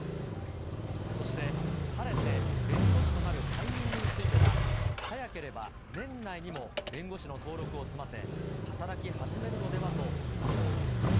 そして、晴れて弁護士となるタイミングについては、早ければ年内にも、弁護士の登録を済ませ、働き始めるのではといいます。